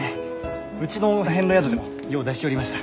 うちの遍路宿でもよう出しよりました。